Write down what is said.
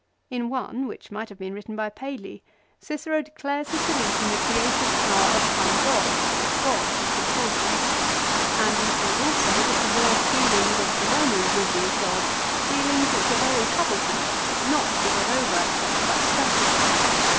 In one, which might have been written by Paley, Cicero declares his belief in the creative power of some god, or gods as he calls them. 1 And we see also the perverse dealings of the Romans with these gods, dealings which were very troublesome, not to be got over except by stratagem.